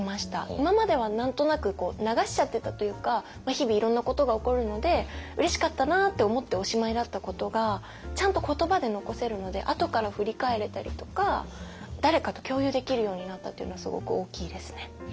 今までは何となくこう流しちゃってたというか日々いろんなことが起こるのでうれしかったなって思っておしまいだったことがちゃんと言葉で残せるのであとから振り返れたりとか誰かと共有できるようになったっていうのがすごく大きいですね。